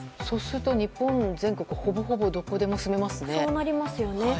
そうすると日本全国ほぼほぼ、どこでも住めますね。